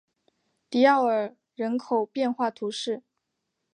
迪奥尔人口变化图示